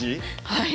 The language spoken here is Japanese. はい。